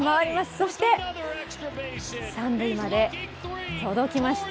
そして三塁まで届きました。